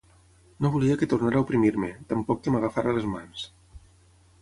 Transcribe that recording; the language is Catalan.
No volia que tornara a oprimir-me, tampoc que m'agafara les mans.